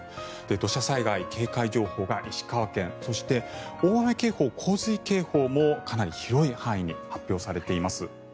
土砂災害警戒情報が石川県そして、大雨警報、洪水警報もかなり広い範囲に発表されています。